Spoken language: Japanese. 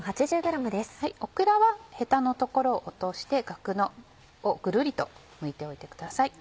オクラはヘタの所を落としてガクをぐるりとむいておいてください。